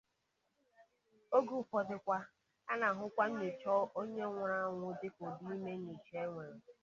Oge ụfọdụ kwa, a na-ahụkwa nnyocha onye nwụrụ anwụ dịka ụdị ime nnyocha e nwere.